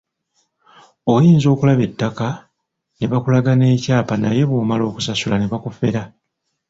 Oyinza okulaba ettaka ne bakulaga n’ekyapa naye bw'omala okusasula ne bakufera.